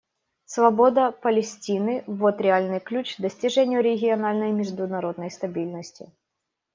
Свобода Палестины — вот реальный ключ к достижению региональной и международной стабильности.